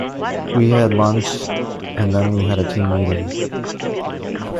We had lunch and then we had a team meeting.